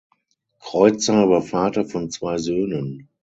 Kreuzer war Vater von zwei Söhnen.